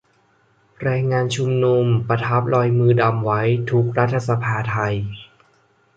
แรงงานชุมนุม ประทับรอยมือดำไว้ทุกข์รัฐสภาไทย